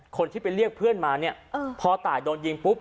คนที่ไปเรียกเพื่อนมาเนี่ยพอตายโดนยิงปุ๊บ